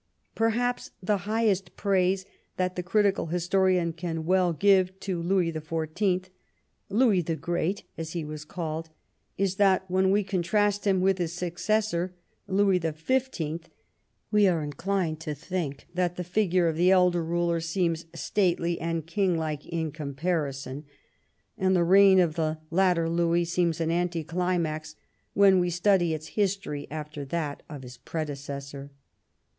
Perhaps the highest praise that the critical historian can well give to Louis the Fourteenth — Louis the Great, as he was called — is that when we contrast him with his successor, Louis the Fifteenth, we are inclined to think that the figure of the elder ruler seems stately and king like in comparison, and the reign of the latter Louis seems an anticlimax when we study its history after that of his predecessor.